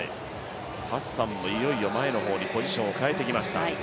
ハッサンもいよいよ前の方にポジションを変えてきました。